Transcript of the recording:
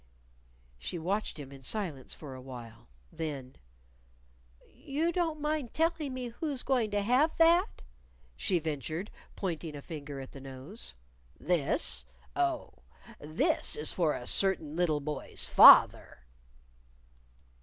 She watched him in silence for a while. Then, "You don't mind telling me who's going to have that?" she ventured, pointing a finger at the nose. "This? Oh, this is for a certain little boy's father."